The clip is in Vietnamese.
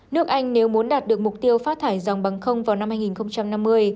nước anh nếu muốn đạt được mục tiêu phát thải dòng bằng không vào năm hai nghìn năm mươi